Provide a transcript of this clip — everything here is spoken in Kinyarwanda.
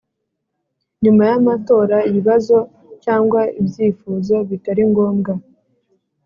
Nyuma yamatora ibibazo cyangwa ibyifuzo bitari ngombwa